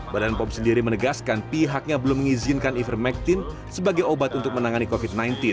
badan pom sendiri menegaskan pihaknya belum mengizinkan ivermectin sebagai obat untuk menangani covid sembilan belas